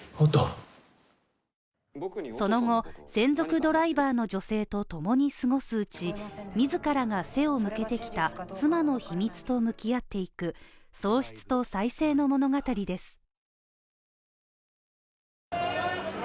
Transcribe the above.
その後、専属ドライバーの女性と共に過ごすうち自らが背を向けてきた妻の秘密と向き合っていく喪失と再生の物語です。